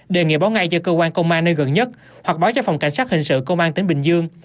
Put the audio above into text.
đề nghị báo ngay cho cơ quan công an nơi gần nhất hoặc báo cho phòng cảnh sát hình sự công an tỉnh bình dương